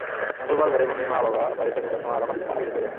মঙ্গলবার ভোরে মুন্নির মা-বাবা বাড়িতে ঢোকার সময় আরাফাতকে পালিয়ে যেতে দেখেন।